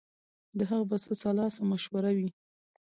د هغه به څه سلا څه مشوره وي